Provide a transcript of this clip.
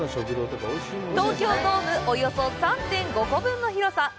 東京ドームおよそ３．５個分の広さ。